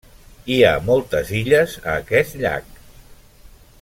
Hi ha moltes illes a aquest llac.